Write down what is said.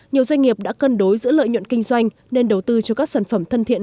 nhiều doanh nghiệp đã cân đối giữa lợi nhuận kinh doanh nên đầu tư cho các sản phẩm thân thiện